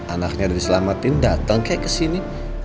anaknya udah diselamatin dateng kayak kesini